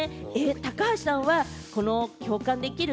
高橋さんは共感できる？